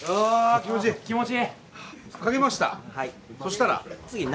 気持ちいい。